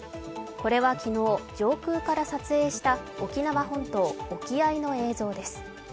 これは昨日、上空から撮影した沖縄本島沖合の映像です。